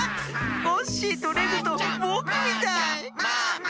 コッシーとレグとぼくみたい。